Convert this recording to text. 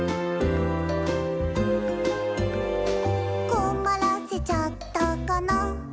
「困らせちゃったかな」